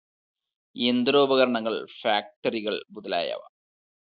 യന്ത്രോപകരണങ്ങൾ, ഫാക്ടറികൾ മുതലായവ.